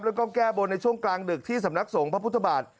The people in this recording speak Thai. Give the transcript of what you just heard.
แล้วก็แก้บนในช่วงกลางดึกที่สำนักสงฆ์พระพุทธบาท